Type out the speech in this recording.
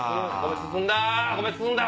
米進んだ！